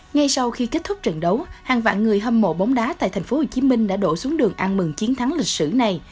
ngay sau khi kết thúc trận đấu hàng vạn người hâm mộ bóng đá tại thành phố hồ chí minh đã đổ xuống đường ăn mừng chiến thắng lịch sử này